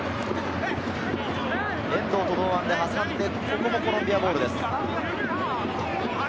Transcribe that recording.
遠藤と堂安で挟んで、ここもコロンビアボールです。